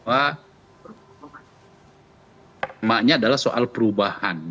emaknya adalah soal perubahan